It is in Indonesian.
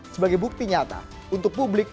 sebagai bukti nyata untuk publik